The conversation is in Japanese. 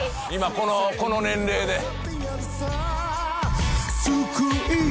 今この年齢で。